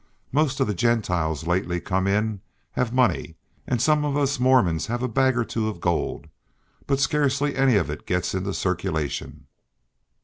Most of the Gentiles lately come in have money, and some of us Mormons have a bag or two of gold, but scarcely any of it gets into circulation.